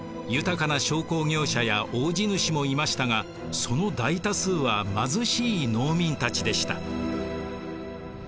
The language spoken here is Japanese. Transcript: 豊かな商工業者や大地主もいましたがその大多数は貧しい農民たちでした。